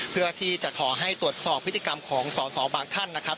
เพื่อที่จะขอให้ตรวจสอบพฤติกรรมของสอสอบางท่านนะครับ